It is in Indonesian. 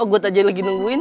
gue tadi lagi nungguin